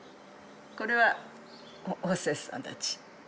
これはホステスさんたち。